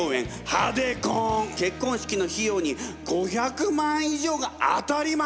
結婚式の費用に５００万以上が当たり前！